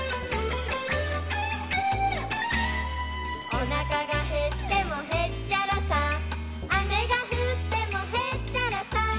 「おなかがへってもへっちゃらさ」「雨が降ってもへっちゃらさ」